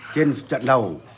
trên trận đầu